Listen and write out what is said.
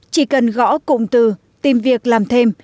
chỉ cần gõ cụm từ tìm việc làm thêm